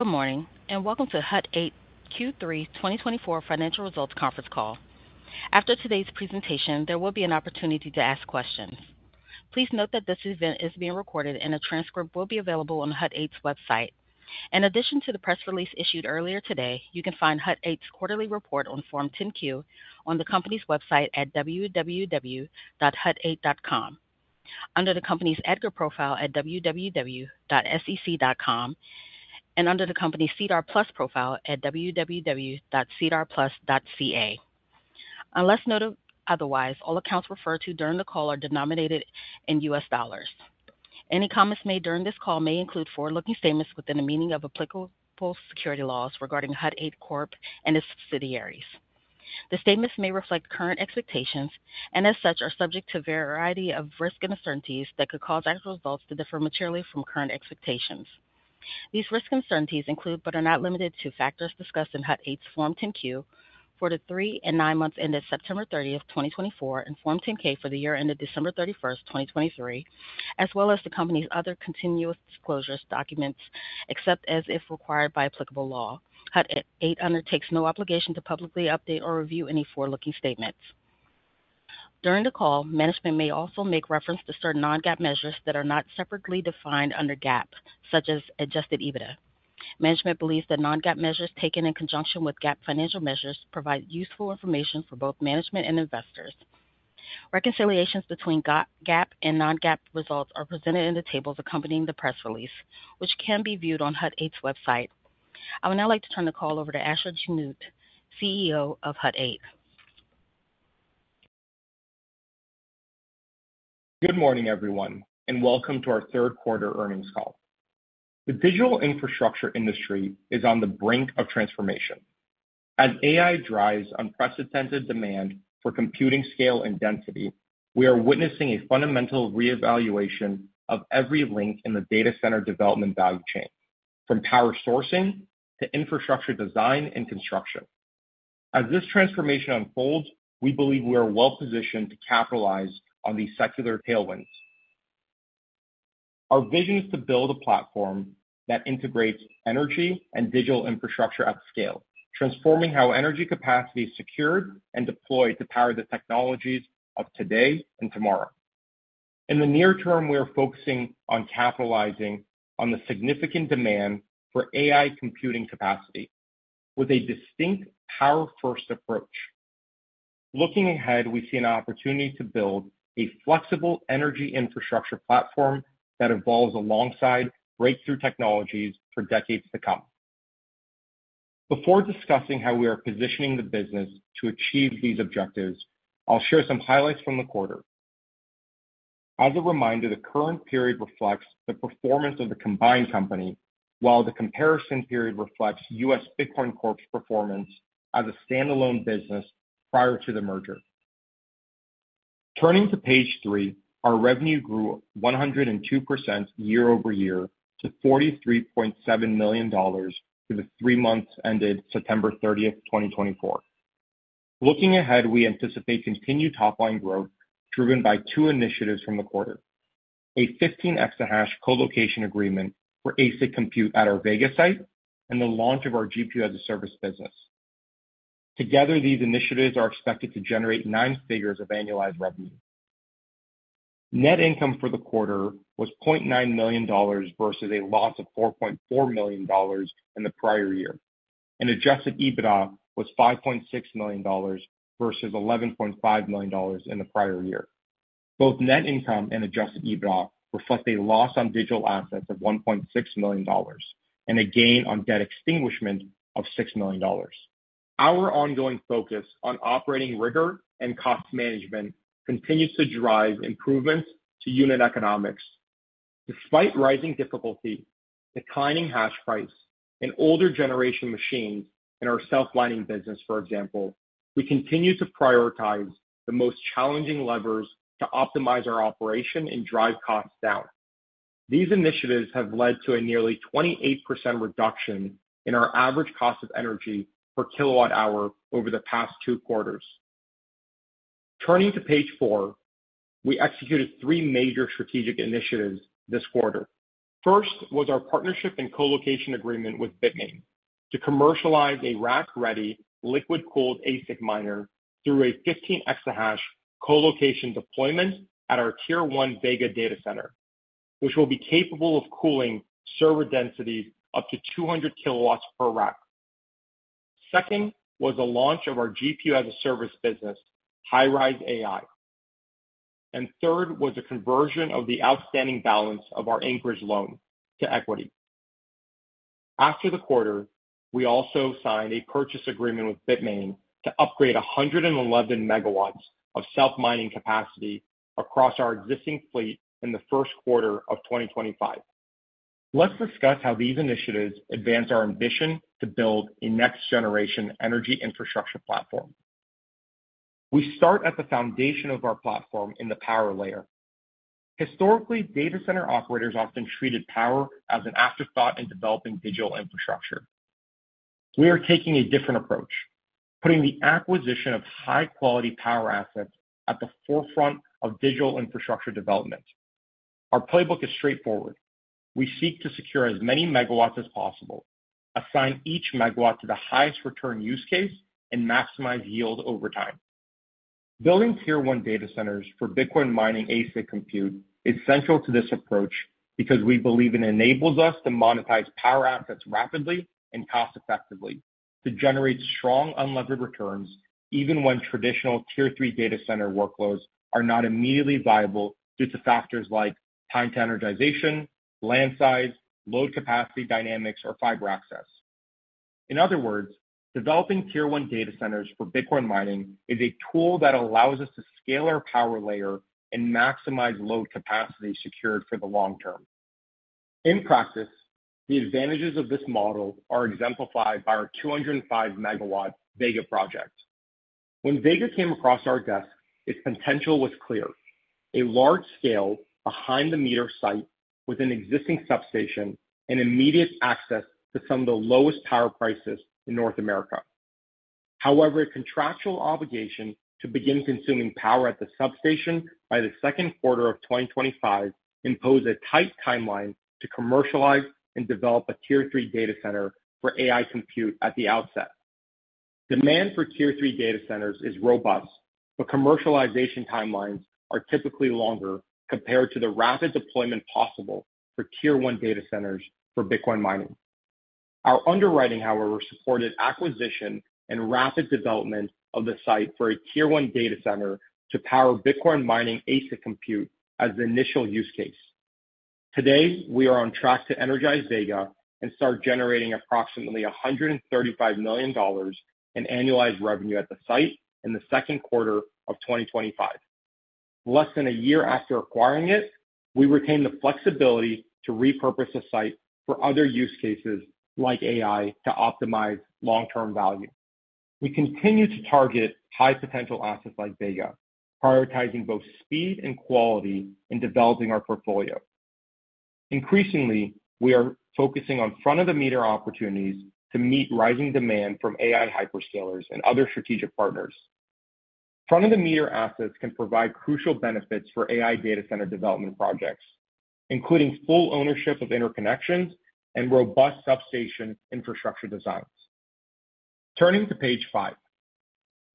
Good morning, and welcome to Hut 8 Q3 2024 financial results conference call. After today's presentation, there will be an opportunity to ask questions. Please note that this event is being recorded, and a transcript will be available on Hut 8's website. In addition to the press release issued earlier today, you can find Hut 8's quarterly report on Form 10-Q on the company's website at www.hut8.com, under the company's EDGAR profile at www.sec.com, and under the company's SEDAR+ profile at www.sedarplus.ca. Unless otherwise, all amounts referred to during the call are denominated in U.S. dollars. Any comments made during this call may include forward-looking statements within the meaning of applicable securities laws regarding Hut 8 Corp. and its subsidiaries. The statements may reflect current expectations and, as such, are subject to a variety of risk uncertainties that could cause actual results to differ materially from current expectations. These risk uncertainties include, but are not limited to, factors discussed in Hut 8's Form 10-Q for the three and nine months ended September 30th, 2024, and Form 10-K for the year ended December 31st, 2023, as well as the company's other continuous disclosure documents except as required by applicable law. Hut 8 undertakes no obligation to publicly update or revise any forward-looking statements. During the call, management may also make reference to certain non-GAAP measures that are not separately defined under GAAP, such as adjusted EBITDA. Management believes that non-GAAP measures taken in conjunction with GAAP financial measures provide useful information for both management and investors. Reconciliations between GAAP and non-GAAP results are presented in the tables accompanying the press release, which can be viewed on Hut 8's website. I would now like to turn the call over to Asher Genoot, CEO of Hut 8. Good morning, everyone, and welcome to our third quarter earnings call. The digital infrastructure industry is on the brink of transformation. As AI drives unprecedented demand for computing scale and density, we are witnessing a fundamental reevaluation of every link in the data center development value chain, from power sourcing to infrastructure design and construction. As this transformation unfolds, we believe we are well positioned to capitalize on these secular tailwinds. Our vision is to build a platform that integrates energy and digital infrastructure at scale, transforming how energy capacity is secured and deployed to power the technologies of today and tomorrow. In the near term, we are focusing on capitalizing on the significant demand for AI computing capacity with a distinct power-first approach. Looking ahead, we see an opportunity to build a flexible energy infrastructure platform that evolves alongside breakthrough technologies for decades to come. Before discussing how we are positioning the business to achieve these objectives, I'll share some highlights from the quarter. As a reminder, the current period reflects the performance of the combined company, while the comparison period reflects US Bitcoin Corp's performance as a standalone business prior to the merger. Turning to page three, our revenue grew 102% year over year to $43.7 million through the three months ended September 30th, 2024. Looking ahead, we anticipate continued top-line growth driven by two initiatives from the quarter: a 15 exahash colocation agreement for ASIC compute at our Vega site and the launch of our GPU as a service business. Together, these initiatives are expected to generate nine figures of annualized revenue. Net income for the quarter was $0.9 million versus a loss of $4.4 million in the prior year, and adjusted EBITDA was $5.6 million versus $11.5 million in the prior year. Both net income and adjusted EBITDA reflect a loss on digital assets of $1.6 million and a gain on debt extinguishment of $6 million. Our ongoing focus on operating rigor and cost management continues to drive improvements to unit economics. Despite rising difficulty, declining hash price, and older generation machines in our self-mining business, for example, we continue to prioritize the most challenging levers to optimize our operation and drive costs down. These initiatives have led to a nearly 28% reduction in our average cost of energy per kWh over the past two quarters. Turning to page four, we executed three major strategic initiatives this quarter. First was our partnership and colocation agreement with Bitmain to commercialize a rack-ready liquid-cooled ASIC miner through a 15 exahash colocation deployment at our Tier 1 Vega data center, which will be capable of cooling server densities up to 200 kW per rack. Second was the launch of our GPU as a service business, Highrise AI. And third was the conversion of the outstanding balance of our Anchorage loan to equity. After the quarter, we also signed a purchase agreement with Bitmain to upgrade 111 MW of self-mining capacity across our existing fleet in the first quarter of 2025. Let's discuss how these initiatives advance our ambition to build a next-generation energy infrastructure platform. We start at the foundation of our platform in the power layer. Historically, data center operators often treated power as an afterthought in developing digital infrastructure. We are taking a different approach, putting the acquisition of high-quality power assets at the forefront of digital infrastructure development. Our playbook is straightforward. We seek to secure as many MW as possible, assign each MW to the highest return use case, and maximize yield over time. Building tier one data centers for Bitcoin mining ASIC compute is central to this approach because we believe it enables us to monetize power assets rapidly and cost-effectively to generate strong unlevered returns even when traditional tier three data center workloads are not immediately viable due to factors like time to energization, land size, load capacity dynamics, or fiber access. In other words, developing tier one data centers for Bitcoin mining is a tool that allows us to scale our power layer and maximize load capacity secured for the long term. In practice, the advantages of this model are exemplified by our 205 MW Vega project. When Vega came across our desk, its potential was clear: a large-scale, behind-the-meter site with an existing substation and immediate access to some of the lowest power prices in North America. However, a contractual obligation to begin consuming power at the substation by the second quarter of 2025 imposed a tight timeline to commercialize and develop a tier three data center for AI compute at the outset. Demand for tier three data centers is robust, but commercialization timelines are typically longer compared to the rapid deployment possible for tier one data centers for Bitcoin mining. Our underwriting, however, supported acquisition and rapid development of the site for a tier one data center to power Bitcoin mining ASIC compute as the initial use case. Today, we are on track to energize Vega and start generating approximately $135 million in annualized revenue at the site in the second quarter of 2025. Less than a year after acquiring it, we retained the flexibility to repurpose the site for other use cases like AI to optimize long-term value. We continue to target high-potential assets like Vega, prioritizing both speed and quality in developing our portfolio. Increasingly, we are focusing on front-of-the-meter opportunities to meet rising demand from AI hyperscalers and other strategic partners. Front-of-the-meter assets can provide crucial benefits for AI data center development projects, including full ownership of interconnections and robust substation infrastructure designs. Turning to page five,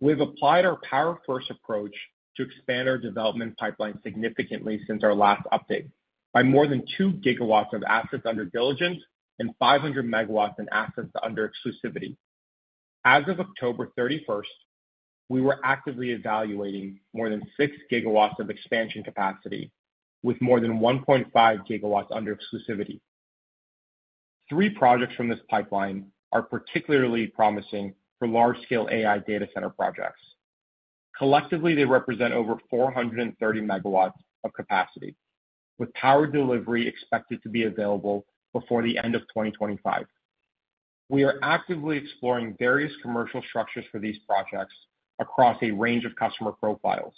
we have applied our power-first approach to expand our development pipeline significantly since our last update by more than two GW of assets under diligence and 500 MW in assets under exclusivity. As of October 31st, we were actively evaluating more than six GW of expansion capacity with more than 1.5 GW under exclusivity. Three projects from this pipeline are particularly promising for large-scale AI data center projects. Collectively, they represent over 430 MW of capacity, with power delivery expected to be available before the end of 2025. We are actively exploring various commercial structures for these projects across a range of customer profiles.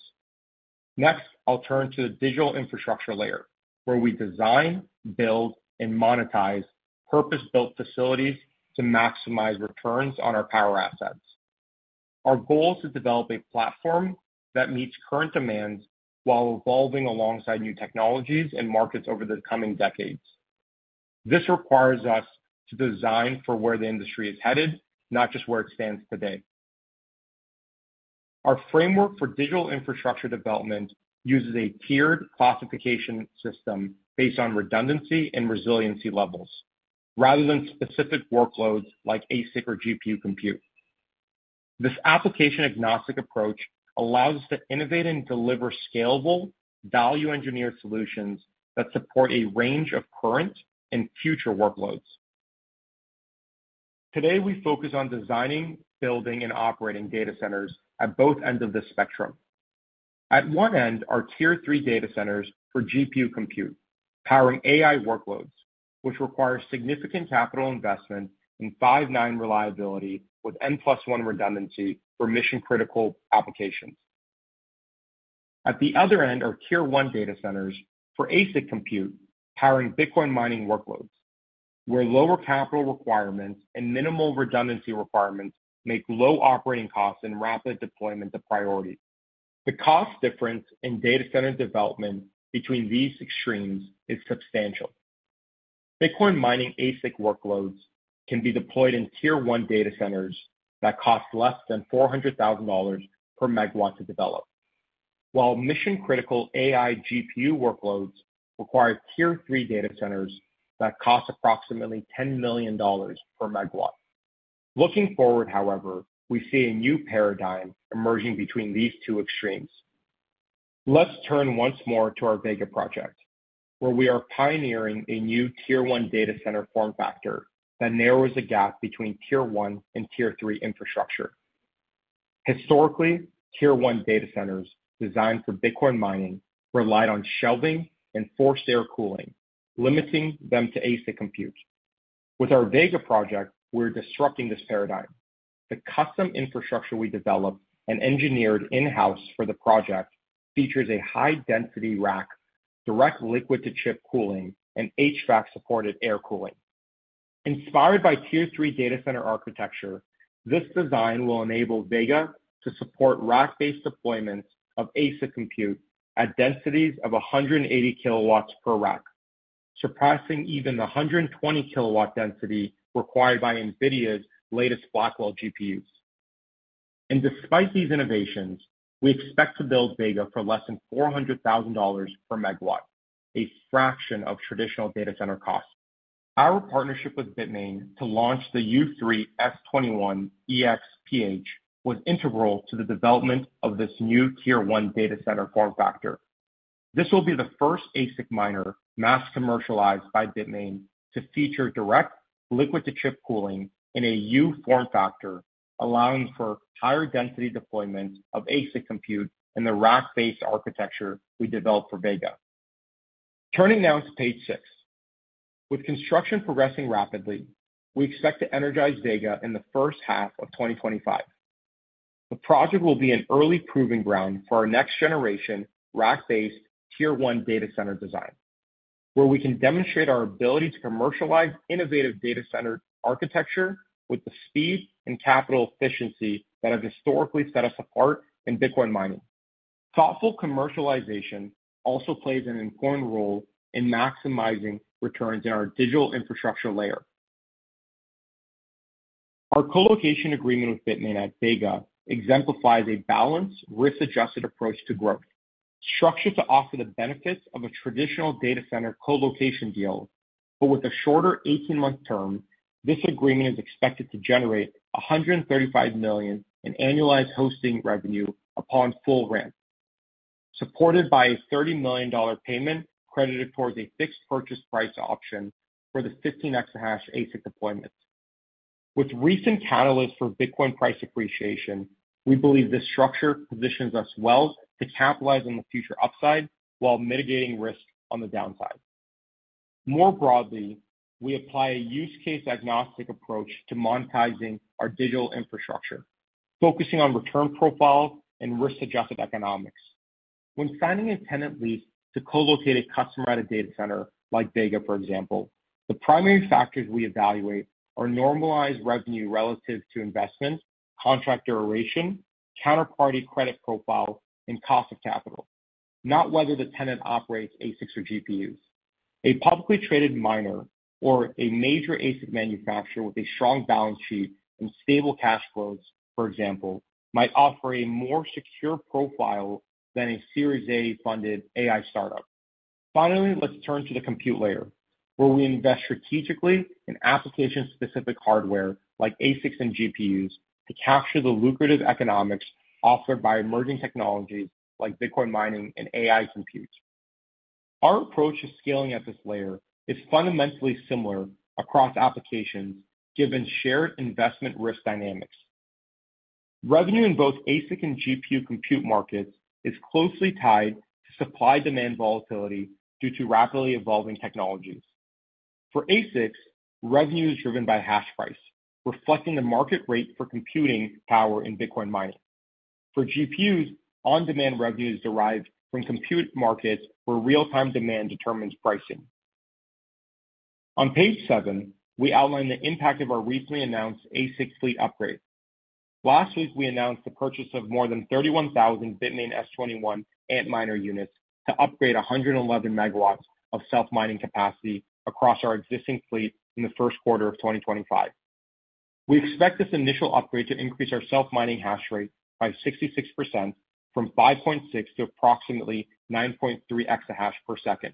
Next, I'll turn to the digital infrastructure layer, where we design, build, and monetize purpose-built facilities to maximize returns on our power assets. Our goal is to develop a platform that meets current demands while evolving alongside new technologies and markets over the coming decades. This requires us to design for where the industry is headed, not just where it stands today. Our framework for digital infrastructure development uses a tiered classification system based on redundancy and resiliency levels, rather than specific workloads like ASIC or GPU compute. This application-agnostic approach allows us to innovate and deliver scalable, value-engineered solutions that support a range of current and future workloads. Today, we focus on designing, building, and operating data centers at both ends of the spectrum. At one end are tier three data centers for GPU compute powering AI workloads, which require significant capital investment and five nines reliability with N+1 redundancy for mission-critical applications. At the other end are tier one data centers for ASIC compute powering Bitcoin mining workloads, where lower capital requirements and minimal redundancy requirements make low operating costs and rapid deployment a priority. The cost difference in data center development between these extremes is substantial. Bitcoin mining ASIC workloads can be deployed in tier one data centers that cost less than $400,000 per MW to develop, while mission-critical AI GPU workloads require tier three data centers that cost approximately $10 million per MW. Looking forward, however, we see a new paradigm emerging between these two extremes. Let's turn once more to our Vega project, where we are pioneering a new tier one data center form factor that narrows the gap between tier one and tier three infrastructure. Historically, tier one data centers designed for Bitcoin mining relied on shelving and forced air cooling, limiting them to ASIC compute. With our Vega project, we're disrupting this paradigm. The custom infrastructure we developed and engineered in-house for the project features a high-density rack, direct liquid-to-chip cooling, and HVAC-supported air cooling. Inspired by tier three data center architecture, this design will enable Vega to support rack-based deployments of ASIC compute at densities of 180 kW per rack, surpassing even the 120 kW density required by NVIDIA's latest Blackwell GPUs, and despite these innovations, we expect to build Vega for less than $400,000 per MW, a fraction of traditional data center costs. Our partnership with Bitmain to launch the U3S21EXPH was integral to the development of this new tier one data center form factor. This will be the first ASIC miner mass commercialized by Bitmain to feature direct liquid-to-chip cooling in a U form factor, allowing for higher-density deployments of ASIC compute and the rack-based architecture we developed for Vega. Turning now to page six. With construction progressing rapidly, we expect to energize Vega in the first half of 2025. The project will be an early proving ground for our next-generation rack-based tier one data center design, where we can demonstrate our ability to commercialize innovative data center architecture with the speed and capital efficiency that have historically set us apart in Bitcoin mining. Thoughtful commercialization also plays an important role in maximizing returns in our digital infrastructure layer. Our colocation agreement with Bitmain at Vega exemplifies a balanced, risk-adjusted approach to growth, structured to offer the benefits of a traditional data center colocation deal, but with a shorter 18-month term, this agreement is expected to generate $135 million in annualized hosting revenue upon full rent, supported by a $30 million payment credited towards a fixed purchase price option for the 15 exahash ASIC deployment. With recent catalysts for Bitcoin price appreciation, we believe this structure positions us well to capitalize on the future upside while mitigating risk on the downside. More broadly, we apply a use-case-agnostic approach to monetizing our digital infrastructure, focusing on return profiles and risk-adjusted economics. When signing a tenant lease to colocate a customer at a data center like Vega, for example, the primary factors we evaluate are normalized revenue relative to investment, contract duration, counterparty credit profile, and cost of capital, not whether the tenant operates ASICs or GPUs. A publicly traded miner or a major ASIC manufacturer with a strong balance sheet and stable cash flows, for example, might offer a more secure profile than a Series A-funded AI startup. Finally, let's turn to the compute layer, where we invest strategically in application-specific hardware like ASICs and GPUs to capture the lucrative economics offered by emerging technologies like Bitcoin mining and AI compute. Our approach to scaling at this layer is fundamentally similar across applications given shared investment risk dynamics. Revenue in both ASIC and GPU compute markets is closely tied to supply-demand volatility due to rapidly evolving technologies. For ASICs, revenue is driven by hash price, reflecting the market rate for computing power in Bitcoin mining. For GPUs, on-demand revenue is derived from compute markets where real-time demand determines pricing. On page seven, we outline the impact of our recently announced ASIC fleet upgrade. Last week, we announced the purchase of more than 31,000 Bitmain S21 Antminer units to upgrade 111 MW of self-mining capacity across our existing fleet in the first quarter of 2025. We expect this initial upgrade to increase our self-mining hash rate by 66% from 5.6 to approximately 9.3 exahash per second,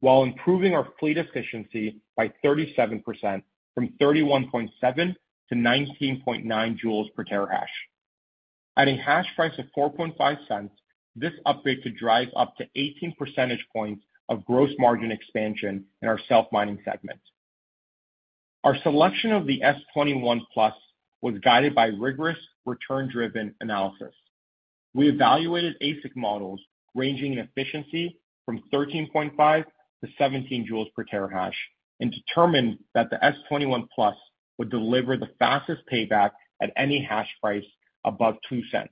while improving our fleet efficiency by 37% from 31.7 to 19.9 joules per terahash. At a hash price of $0.045, this upgrade could drive up to 18 percentage points of gross margin expansion in our self-mining segment. Our selection of the S21 Plus was guided by rigorous return-driven analysis. We evaluated ASIC models ranging in efficiency from 13.5-17 joules per terahash and determined that the S21 Plus would deliver the fastest payback at any hash price above $0.02.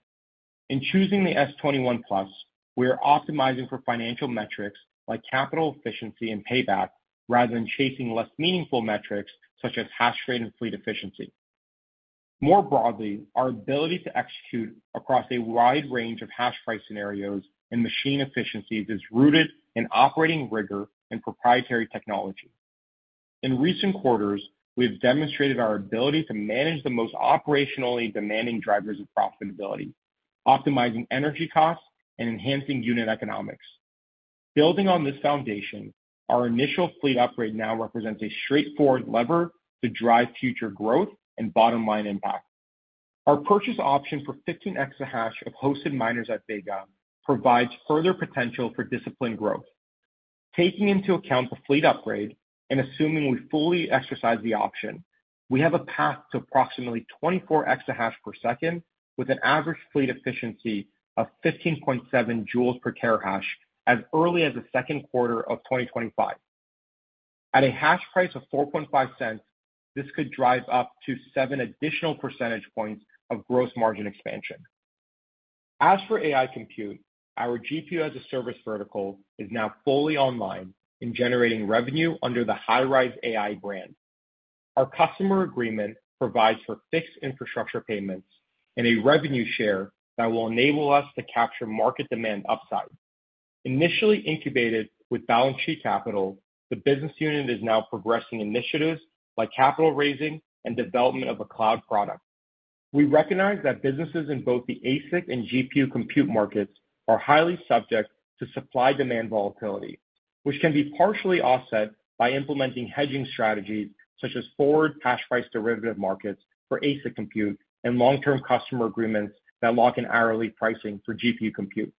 In choosing the S21 Plus, we are optimizing for financial metrics like capital efficiency and payback rather than chasing less meaningful metrics such as hash rate and fleet efficiency. More broadly, our ability to execute across a wide range of hash price scenarios and machine efficiencies is rooted in operating rigor and proprietary technology. In recent quarters, we have demonstrated our ability to manage the most operationally demanding drivers of profitability, optimizing energy costs and enhancing unit economics. Building on this foundation, our initial fleet upgrade now represents a straightforward lever to drive future growth and bottom-line impact. Our purchase option for 15 exahash of hosted miners at Vega provides further potential for disciplined growth. Taking into account the fleet upgrade and assuming we fully exercise the option, we have a path to approximately 24 exahash per second with an average fleet efficiency of 15.7 joules per terahash as early as the second quarter of 2025. At a hash price of $0.045, this could drive up to 7 additional percentage points of gross margin expansion. As for AI compute, our GPU-as-a-Service vertical is now fully online and generating revenue under the Highrise AI brand. Our customer agreement provides for fixed infrastructure payments and a revenue share that will enable us to capture market demand upside. Initially incubated with balance sheet capital, the business unit is now progressing initiatives like capital raising and development of a cloud product. We recognize that businesses in both the ASIC and GPU compute markets are highly subject to supply-demand volatility, which can be partially offset by implementing hedging strategies such as forward hash price derivative markets for ASIC compute and long-term customer agreements that lock in hourly pricing for GPU compute.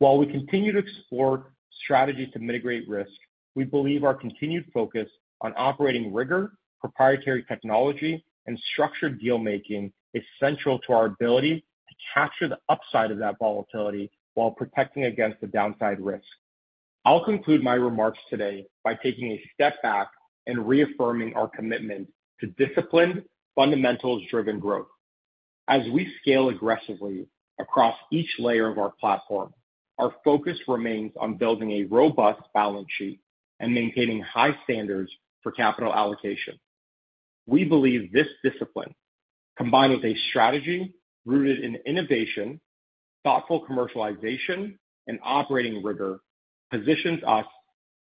While we continue to explore strategies to mitigate risk, we believe our continued focus on operating rigor, proprietary technology, and structured deal-making is central to our ability to capture the upside of that volatility while protecting against the downside risk. I'll conclude my remarks today by taking a step back and reaffirming our commitment to disciplined, fundamentals-driven growth. As we scale aggressively across each layer of our platform, our focus remains on building a robust balance sheet and maintaining high standards for capital allocation. We believe this discipline, combined with a strategy rooted in innovation, thoughtful commercialization, and operating rigor, positions us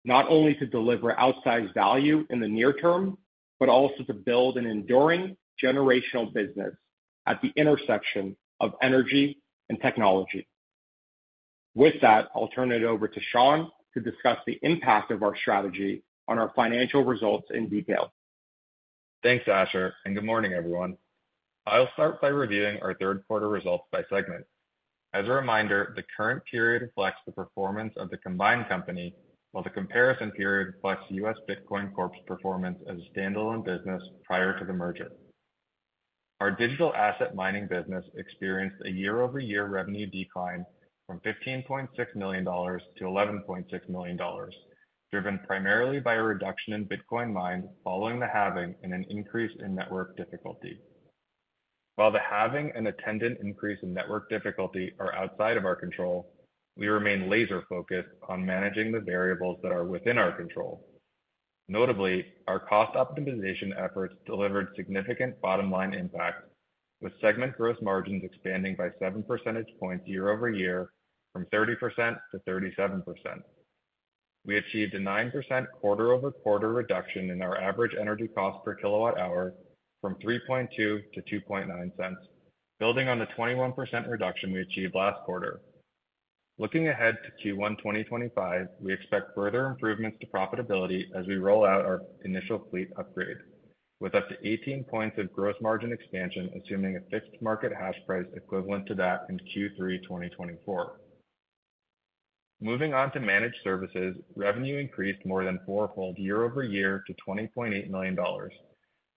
not only to deliver outsized value in the near term, but also to build an enduring generational business at the intersection of energy and technology. With that, I'll turn it over to Sean to discuss the impact of our strategy on our financial results in detail. Thanks, Asher. And good morning, everyone. I'll start by reviewing our third-quarter results by segment. As a reminder, the current period reflects the performance of the combined company, while the comparison period reflects U.S. Bitcoin Corp's performance as a standalone business prior to the merger. Our digital asset mining business experienced a year-over-year revenue decline from $15.6 million to $11.6 million, driven primarily by a reduction in Bitcoin mined following the halving and an increase in network difficulty. While the halving and attendant increase in network difficulty are outside of our control, we remain laser-focused on managing the variables that are within our control. Notably, our cost optimization efforts delivered significant bottom-line impact, with segment gross margins expanding by seven percentage points year-over-year from 30% to 37%. We achieved a 9% quarter-over-quarter reduction in our average energy cost per kWh from $0.032 to $0.029, building on the 21% reduction we achieved last quarter. Looking ahead to Q1 2025, we expect further improvements to profitability as we roll out our initial fleet upgrade, with up to 18 points of gross margin expansion assuming a fixed market hash price equivalent to that in Q3 2024. Moving on to managed services, revenue increased more than fourfold year-over-year to $20.8 million,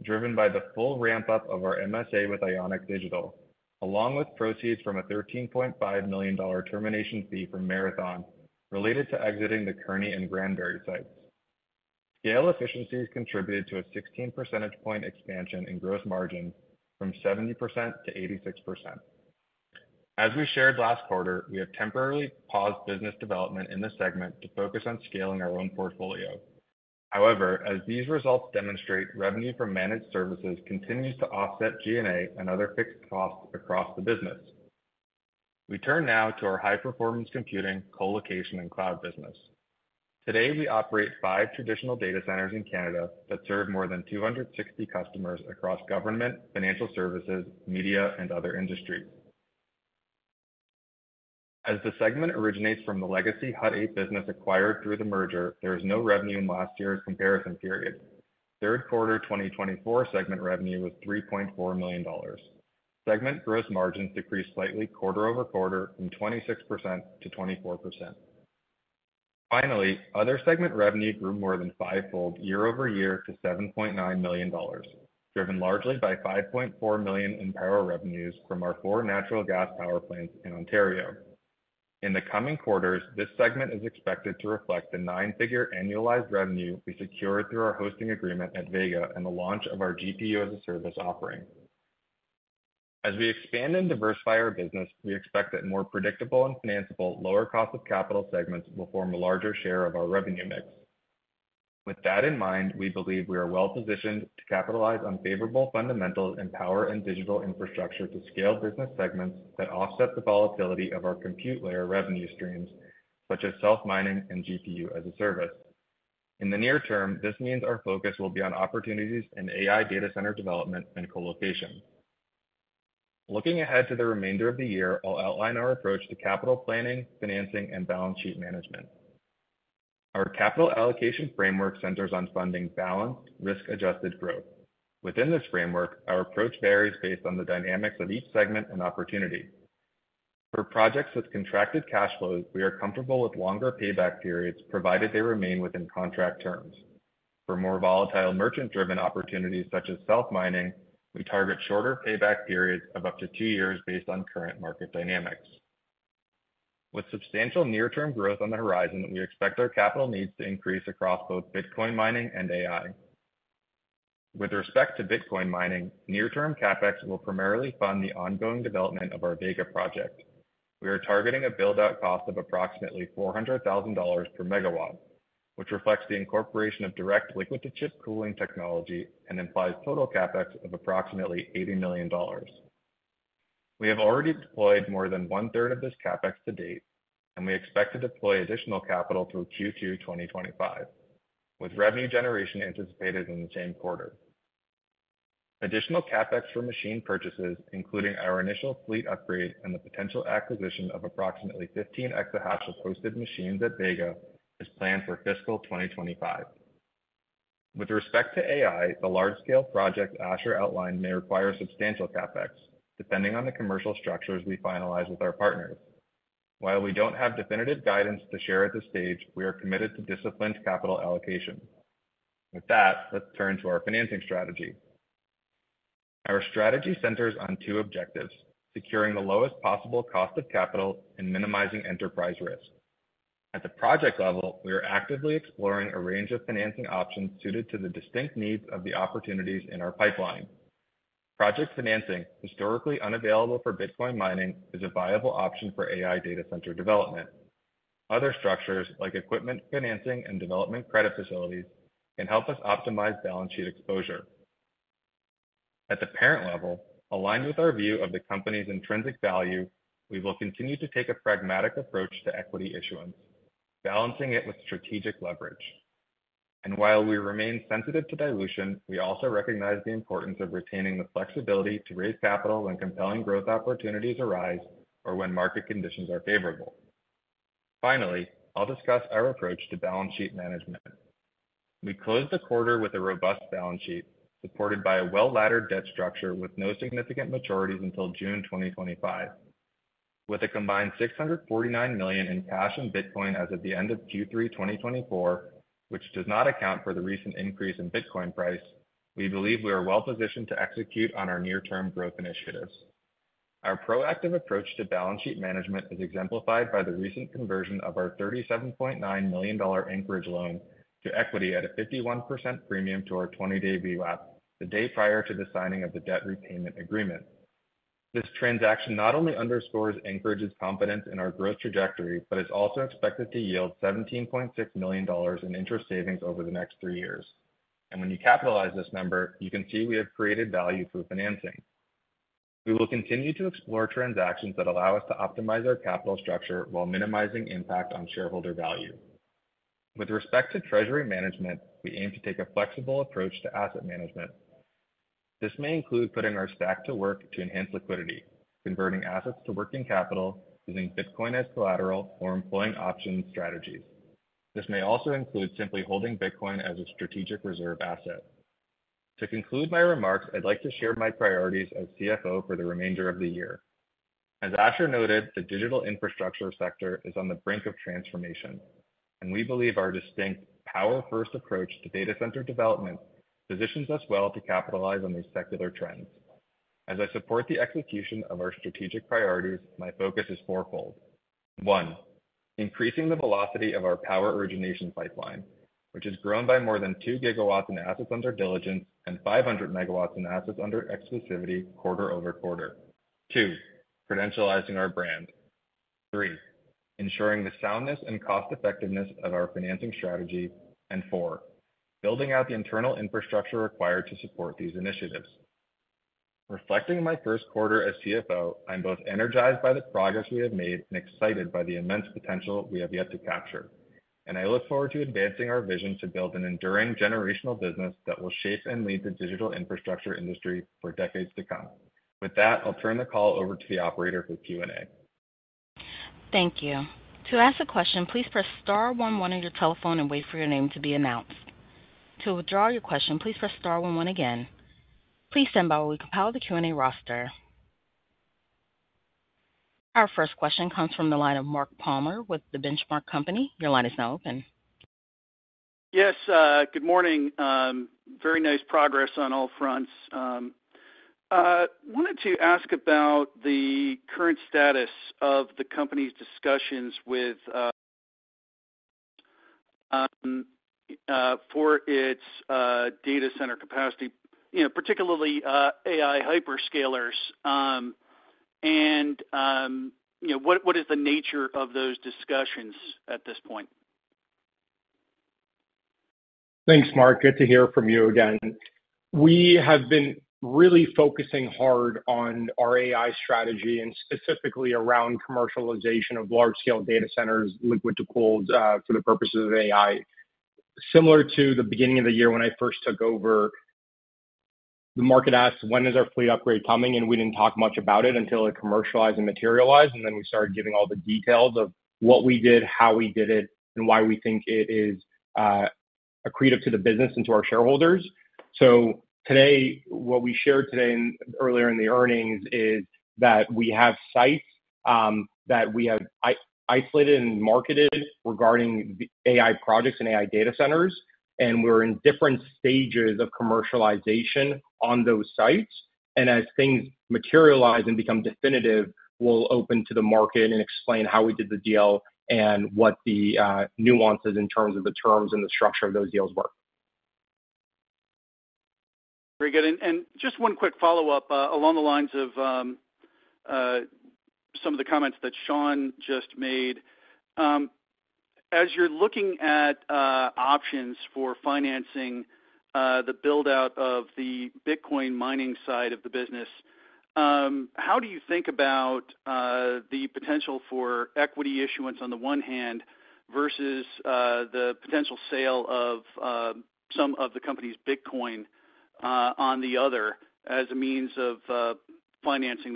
driven by the full ramp-up of our MSA with Ionic Digital, along with proceeds from a $13.5 million termination fee from Marathon related to exiting the Kearny and Granbury sites. Scale efficiencies contributed to a 16 percentage points expansion in gross margins from 70% to 86%. As we shared last quarter, we have temporarily paused business development in this segment to focus on scaling our own portfolio. However, as these results demonstrate, revenue from managed services continues to offset G&A and other fixed costs across the business. We turn now to our high-performance computing, colocation, and cloud business. Today, we operate five traditional data centers in Canada that serve more than 260 customers across government, financial services, media, and other industries. As the segment originates from the legacy Hut 8 business acquired through the merger, there is no revenue in last year's comparison period. Third quarter 2024 segment revenue was $3.4 million. Segment gross margins decreased slightly quarter-over-quarter from 26% to 24%. Finally, other segment revenue grew more than fivefold year-over-year to $7.9 million, driven largely by $5.4 million in power revenues from our four natural gas power plants in Ontario. In the coming quarters, this segment is expected to reflect the nine-figure annualized revenue we secured through our hosting agreement at Vega and the launch of our GPU-as-a-Service offering. As we expand and diversify our business, we expect that more predictable and financeable lower-cost-of-capital segments will form a larger share of our revenue mix. With that in mind, we believe we are well-positioned to capitalize on favorable fundamentals in power and digital infrastructure to scale business segments that offset the volatility of our compute layer revenue streams, such as self-mining and GPU-as-a-service. In the near term, this means our focus will be on opportunities in AI data center development and colocation. Looking ahead to the remainder of the year, I'll outline our approach to capital planning, financing, and balance sheet management. Our capital allocation framework centers on funding balanced, risk-adjusted growth. Within this framework, our approach varies based on the dynamics of each segment and opportunity. For projects with contracted cash flows, we are comfortable with longer payback periods provided they remain within contract terms. For more volatile merchant-driven opportunities such as self-mining, we target shorter payback periods of up to two years based on current market dynamics. With substantial near-term growth on the horizon, we expect our capital needs to increase across both Bitcoin mining and AI. With respect to Bitcoin mining, near-term CapEx will primarily fund the ongoing development of our Vega project. We are targeting a build-out cost of approximately $400,000 per MW, which reflects the incorporation of direct liquid-to-chip cooling technology and implies total CapEx of approximately $80 million. We have already deployed more than one-third of this CapEx to date, and we expect to deploy additional capital through Q2 2025, with revenue generation anticipated in the same quarter. Additional CapEx for machine purchases, including our initial fleet upgrade and the potential acquisition of approximately 15 exahash of hosted machines at Vega, is planned for fiscal 2025. With respect to AI, the large-scale projects Asher outlined may require substantial CapEx, depending on the commercial structures we finalize with our partners. While we don't have definitive guidance to share at this stage, we are committed to disciplined capital allocation. With that, let's turn to our financing strategy. Our strategy centers on two objectives: securing the lowest possible cost of capital and minimizing enterprise risk. At the project level, we are actively exploring a range of financing options suited to the distinct needs of the opportunities in our pipeline. Project financing, historically unavailable for Bitcoin mining, is a viable option for AI data center development. Other structures, like equipment financing and development credit facilities, can help us optimize balance sheet exposure. At the parent level, aligned with our view of the company's intrinsic value, we will continue to take a pragmatic approach to equity issuance, balancing it with strategic leverage. While we remain sensitive to dilution, we also recognize the importance of retaining the flexibility to raise capital when compelling growth opportunities arise or when market conditions are favorable. Finally, I'll discuss our approach to balance sheet management. We closed the quarter with a robust balance sheet supported by a well-laddered debt structure with no significant maturities until June 2025. With a combined $649 million in cash and Bitcoin as of the end of Q3 2024, which does not account for the recent increase in Bitcoin price, we believe we are well-positioned to execute on our near-term growth initiatives. Our proactive approach to balance sheet management is exemplified by the recent conversion of our $37.9 million Anchorage loan to equity at a 51% premium to our 20-day VWAP, the day prior to the signing of the debt repayment agreement. This transaction not only underscores Anchorage's confidence in our growth trajectory but is also expected to yield $17.6 million in interest savings over the next three years, and when you capitalize this number, you can see we have created value through financing. We will continue to explore transactions that allow us to optimize our capital structure while minimizing impact on shareholder value. With respect to treasury management, we aim to take a flexible approach to asset management. This may include putting our stack to work to enhance liquidity, converting assets to working capital using Bitcoin as collateral, or employing options strategies. This may also include simply holding Bitcoin as a strategic reserve asset. To conclude my remarks, I'd like to share my priorities as CFO for the remainder of the year. As Asher noted, the digital infrastructure sector is on the brink of transformation, and we believe our distinct power-first approach to data center development positions us well to capitalize on these secular trends. As I support the execution of our strategic priorities, my focus is fourfold: one, increasing the velocity of our power origination pipeline, which has grown by more than two GW in assets under diligence and 500 MW in assets under exclusivity quarter-over-quarter. Two, credentializing our brand. Three, ensuring the soundness and cost-effectiveness of our financing strategy. And four, building out the internal infrastructure required to support these initiatives. Reflecting my first quarter as CFO, I'm both energized by the progress we have made and excited by the immense potential we have yet to capture. And I look forward to advancing our vision to build an enduring generational business that will shape and lead the digital infrastructure industry for decades to come. With that, I'll turn the call over to the operator for Q&A. Thank you. To ask a question, please press star 11 on your telephone and wait for your name to be announced. To withdraw your question, please press star 11 again. Please stand by while we compile the Q&A roster. Our first question comes from the line of Mark Palmer with the Benchmark Company. Your line is now open. Yes. Good morning. Very nice progress on all fronts. I wanted to ask about the current status of the company's discussions with for its data center capacity, particularly AI hyperscalers. And what is the nature of those discussions at this point? Thanks, Mark. Good to hear from you again. We have been really focusing hard on our AI strategy and specifically around commercialization of large-scale data centers, liquid-cooled for the purposes of AI. Similar to the beginning of the year when I first took over, the market asked, "When is our fleet upgrade coming?" and we didn't talk much about it until it commercialized and materialized, and then we started giving all the details of what we did, how we did it, and why we think it is accretive to the business and to our shareholders, so today, what we shared today earlier in the earnings is that we have sites that we have isolated and marketed regarding AI projects and AI data centers, and we're in different stages of commercialization on those sites. As things materialize and become definitive, we'll open to the market and explain how we did the deal and what the nuances in terms of the terms and the structure of those deals were. Very good. Just one quick follow-up along the lines of some of the comments that Sean just made. As you're looking at options for financing the build-out of the Bitcoin mining side of the business, how do you think about the potential for equity issuance on the one hand versus the potential sale of some of the company's Bitcoin on the other as a means of financing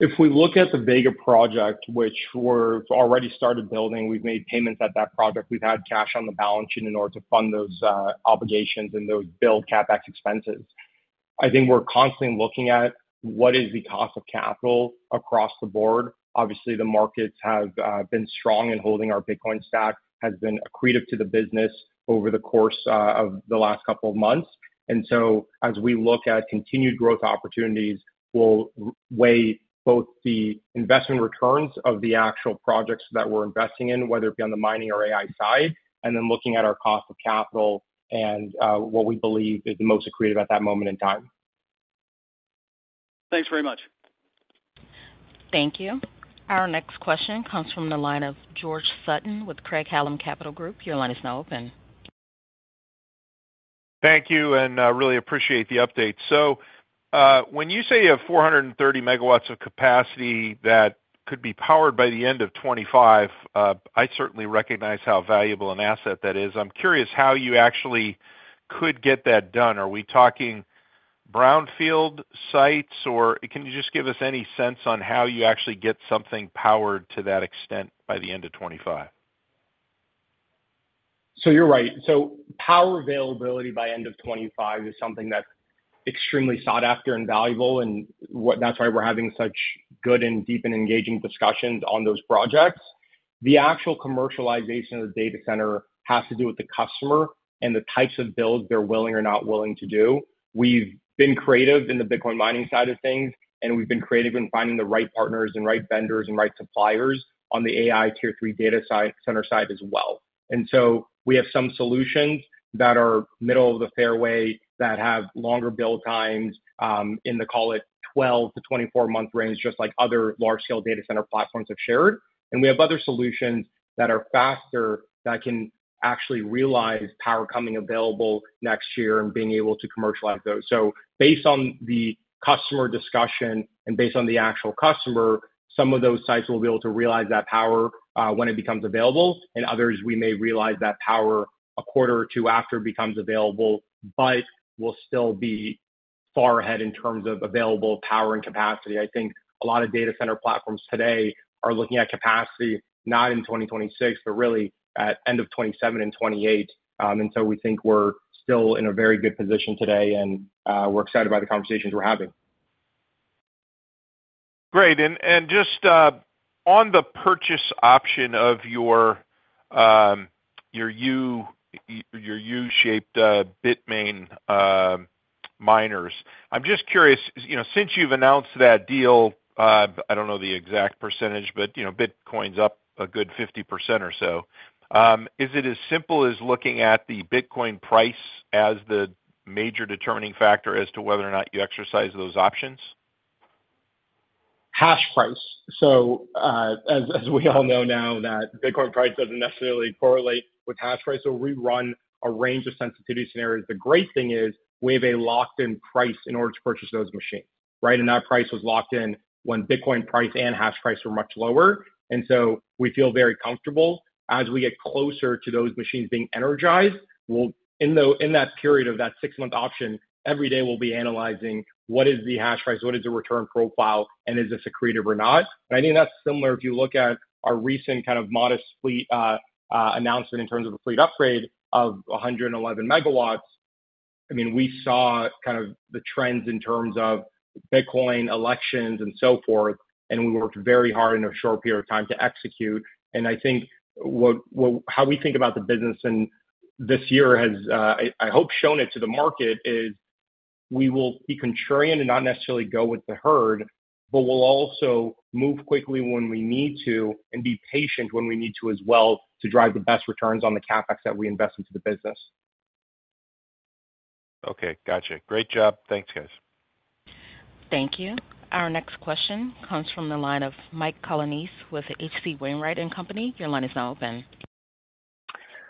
that growth? If we look at the Vega project, which we've already started building, we've made payments at that project. We've had cash on the balance sheet in order to fund those obligations and those build CapEx expenses. I think we're constantly looking at what is the cost of capital across the board. Obviously, the markets have been strong in holding our Bitcoin stack has been accretive to the business over the course of the last couple of months, and so as we look at continued growth opportunities, we'll weigh both the investment returns of the actual projects that we're investing in, whether it be on the mining or AI side, and then looking at our cost of capital and what we believe is the most accretive at that moment in time. Thanks very much. Thank you. Our next question comes from the line of George Sutton with Craig-Hallum Capital Group. Your line is now open. Thank you, and I really appreciate the update. So when you say you have 430 MW of capacity that could be powered by the end of 2025, I certainly recognize how valuable an asset that is. I'm curious how you actually could get that done. Are we talking brownfield sites? Or can you just give us any sense on how you actually get something powered to that extent by the end of 2025? So you're right. So power availability by end of 2025 is something that's extremely sought after and valuable. And that's why we're having such good and deep and engaging discussions on those projects. The actual commercialization of the data center has to do with the customer and the types of builds they're willing or not willing to do. We've been creative in the Bitcoin mining side of things, and we've been creative in finding the right partners and right vendors and right suppliers on the AI tier three data center side as well, and so we have some solutions that are middle of the fairway that have longer build times in the, call it, 12-24-month range, just like other large-scale data center platforms have shared, and we have other solutions that are faster that can actually realize power coming available next year and being able to commercialize those, so based on the customer discussion and based on the actual customer, some of those sites will be able to realize that power when it becomes available, and others, we may realize that power a quarter or two after becomes available, but we'll still be far ahead in terms of available power and capacity. I think a lot of data center platforms today are looking at capacity not in 2026, but really at end of 2027 and 2028. And so we think we're still in a very good position today, and we're excited by the conversations we're having. Great. And just on the purchase option of your U-shaped Bitmain miners, I'm just curious, since you've announced that deal, I don't know the exact percentage, but Bitcoin's up a good 50% or so. Is it as simple as looking at the Bitcoin price as the major determining factor as to whether or not you exercise those options? Hash price. So as we all know now that Bitcoin price doesn't necessarily correlate with hash price, so we run a range of sensitivity scenarios. The great thing is we have a locked-in price in order to purchase those machines, right? And that price was locked in when Bitcoin price and hash price were much lower. And so we feel very comfortable. As we get closer to those machines being energized, in that period of that six-month option, every day we'll be analyzing what is the hash price, what is the return profile, and is this accretive or not. And I think that's similar if you look at our recent kind of modest fleet announcement in terms of the fleet upgrade of 111 MW. I mean, we saw kind of the trends in terms of Bitcoin halvings and so forth, and we worked very hard in a short period of time to execute. And I think how we think about the business and this year has, I hope, shown it to the market is we will be contrarian and not necessarily go with the herd, but we'll also move quickly when we need to and be patient when we need to as well to drive the best returns on the CapEx that we invest into the business. Okay. Gotcha. Great job. Thanks, guys. Thank you. Our next question comes from the line of Mike Colonnese with H.C. Wainwright & Co. Your line is now open.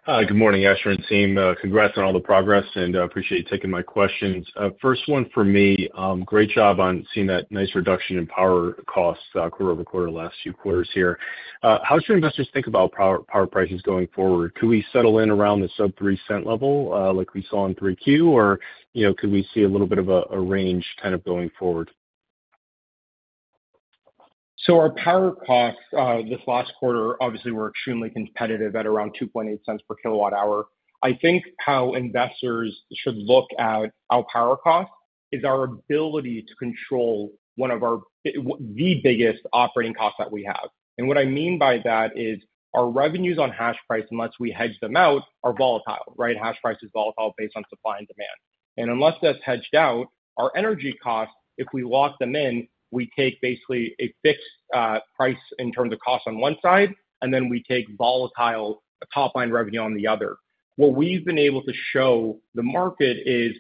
Good morning, Asher and team. Congrats on all the progress, and I appreciate you taking my questions. First one for me, great job on seeing that nice reduction in power costs quarter over quarter the last few quarters here. How should investors think about power prices going forward? Could we settle in around the sub-$0.03 level like we saw in 3Q, or could we see a little bit of a range kind of going forward? So our power costs this last quarter, obviously, were extremely competitive at around $0.028 per kWh. I think how investors should look at our power cost is our ability to control one of the biggest operating costs that we have. And what I mean by that is our revenues on hash price, unless we hedge them out, are volatile, right? Hash price is volatile based on supply and demand. And unless that's hedged out, our energy costs, if we lock them in, we take basically a fixed price in terms of cost on one side, and then we take volatile top-line revenue on the other. What we've been able to show the market is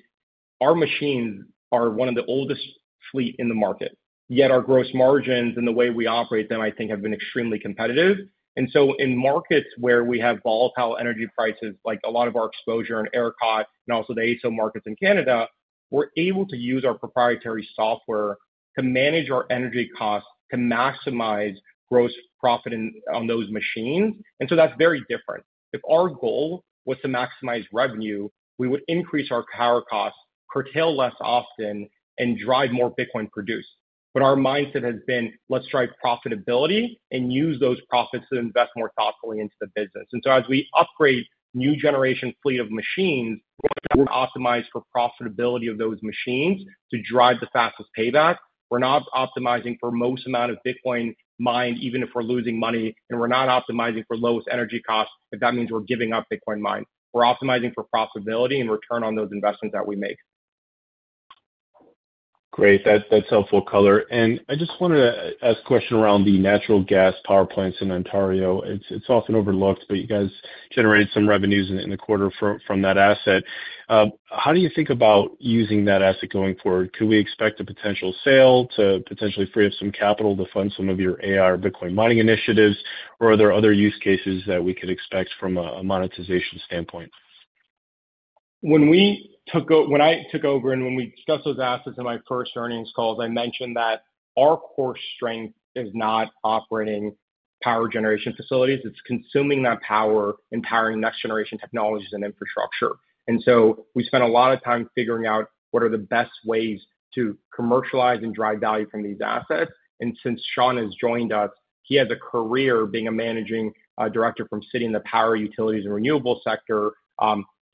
our machines are one of the oldest fleet in the market, yet our gross margins and the way we operate them, I think, have been extremely competitive. And so in markets where we have volatile energy prices, like a lot of our exposure in ERCOT and also the AESO markets in Canada, we're able to use our proprietary software to manage our energy costs to maximize gross profit on those machines. And so that's very different. If our goal was to maximize revenue, we would increase our power costs, curtail less often, and drive more Bitcoin produced. But our mindset has been, let's drive profitability and use those profits to invest more thoughtfully into the business. And so as we upgrade new generation fleet of machines, we're optimized for profitability of those machines to drive the fastest payback. We're not optimizing for most amount of Bitcoin mined, even if we're losing money, and we're not optimizing for lowest energy cost if that means we're giving up Bitcoin mined. We're optimizing for profitability and return on those investments that we make. Great. That's helpful color. And I just wanted to ask a question around the natural gas power plants in Ontario. It's often overlooked, but you guys generated some revenues in the quarter from that asset. How do you think about using that asset going forward? Could we expect a potential sale to potentially free up some capital to fund some of your AI or Bitcoin mining initiatives, or are there other use cases that we could expect from a monetization standpoint? When I took over and when we discussed those assets in my first earnings calls, I mentioned that our core strength is not operating power generation facilities. It's consuming that power and powering next-generation technologies and infrastructure, and so we spent a lot of time figuring out what are the best ways to commercialize and drive value from these assets, and since Sean has joined us, he has a career being a managing director from Citi in the Power Utilities and Renewables sector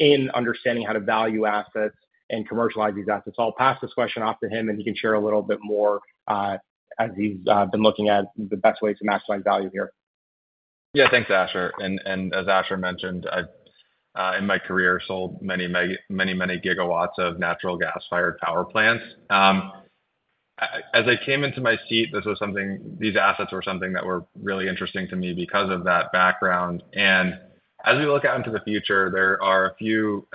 in understanding how to value assets and commercialize these assets. I'll pass this question off to him, and he can share a little bit more as he's been looking at the best ways to maximize value here. Yeah. Thanks, Asher, and as Asher mentioned, in my career, sold many, many, many GW of natural gas-fired power plants. As I came into my seat, these assets were something that were really interesting to me because of that background. And as we look out into the future, there are a few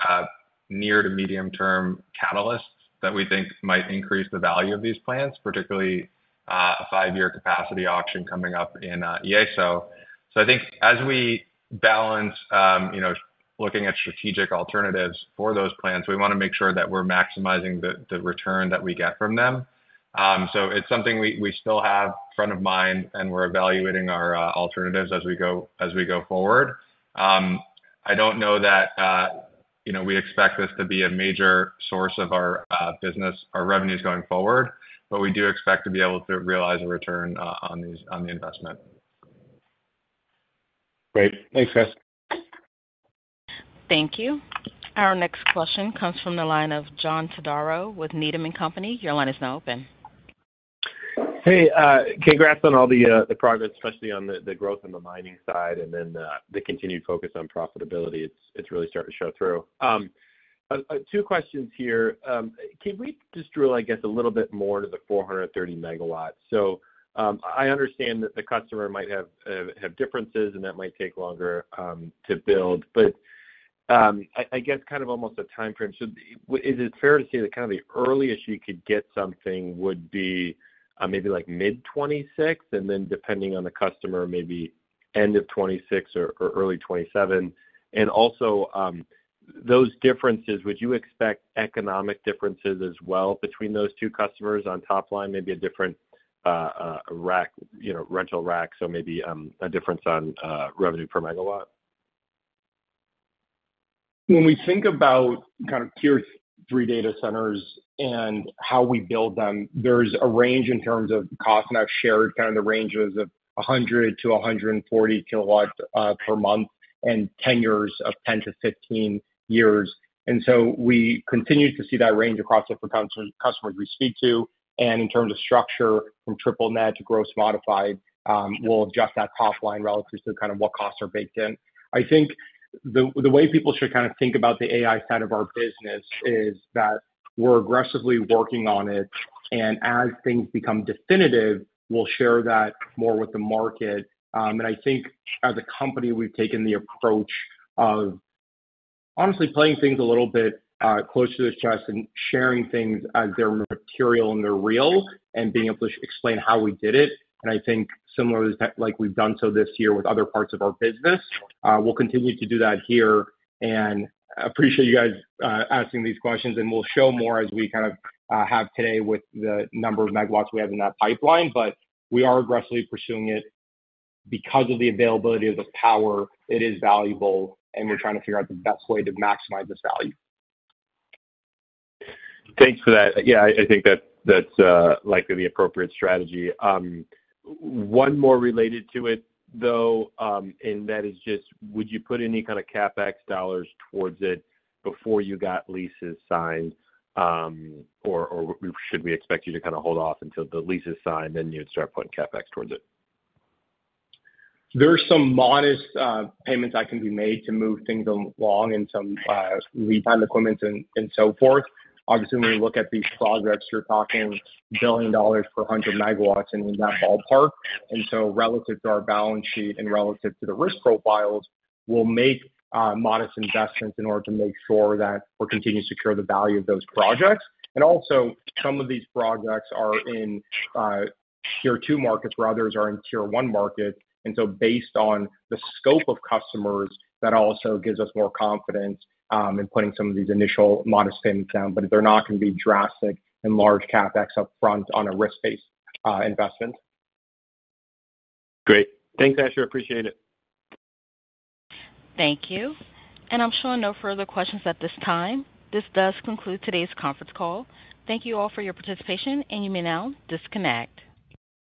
near to medium-term catalysts that we think might increase the value of these plants, particularly a five-year capacity auction coming up in IESO. So I think as we balance looking at strategic alternatives for those plants, we want to make sure that we're maximizing the return that we get from them. So it's something we still have front of mind, and we're evaluating our alternatives as we go forward. I don't know that we expect this to be a major source of our business, our revenues going forward, but we do expect to be able to realize a return on the investment. Great. Thanks, guys. Thank you. Our next question comes from the line of John Todaro with Needham & Company. Your line is now open. Hey. Congrats on all the progress, especially on the growth on the mining side and then the continued focus on profitability. It's really starting to show through. Two questions here. Can we just drill, I guess, a little bit more into the 430 MW? So I understand that the customer might have differences, and that might take longer to build. But I guess kind of almost a time frame. So is it fair to say that kind of the earliest you could get something would be maybe like mid-2026, and then depending on the customer, maybe end of 2026 or early 2027? And also, those differences, would you expect economic differences as well between those two customers on top line, maybe a different rental rack, so maybe a difference on revenue per MW? When we think about kind of tier three data centers and how we build them, there's a range in terms of cost, and I've shared kind of the ranges of 100 kW-140 kW per month and 10 years of 10-15 years, and so we continue to see that range across different customers we speak to, and in terms of structure, from triple net to gross modified, we'll adjust that top line relative to kind of what costs are baked in. I think the way people should kind of think about the AI side of our business is that we're aggressively working on it, and as things become definitive, we'll share that more with the market. I think as a company, we've taken the approach of honestly playing things a little bit closer to the chest and sharing things as they're material and they're real and being able to explain how we did it. I think similarly, like we've done so this year with other parts of our business, we'll continue to do that here. I appreciate you guys asking these questions. We'll show more as we kind of have today with the number of MW we have in that pipeline. We are aggressively pursuing it because of the availability of the power. It is valuable, and we're trying to figure out the best way to maximize this value. Thanks for that. Yeah, I think that's likely the appropriate strategy. One more related to it, though, and that is just, would you put any kind of CapEx dollars towards it before you got leases signed? Or should we expect you to kind of hold off until the lease is signed, then you'd start putting CapEx towards it? There are some modest payments that can be made to move things along and some lead-time equipment and so forth. Obviously, when we look at these projects, you're talking billion dollars per 100 MW in that ballpark. And so relative to our balance sheet and relative to the risk profiles, we'll make modest investments in order to make sure that we're continuing to secure the value of those projects. And also, some of these projects are in tier two markets where others are in tier one markets. And so based on the scope of customers, that also gives us more confidence in putting some of these initial modest payments down. But they're not going to be drastic and large CapEx upfront on a risk-based investment. Great. Thanks, Asher. Appreciate it. Thank you. And I'm sure no further questions at this time. This does conclude today's conference call. Thank you all for your participation, and you may now disconnect.